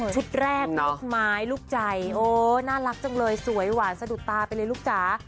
แรกลูกไม้ลูกใจโอ้น่ารักจังเลยสวยหวานสะดุดตาไปเลยลูกจ๋า